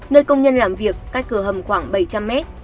nơi công nhân làm việc cách cửa hầm khoảng bảy trăm linh mét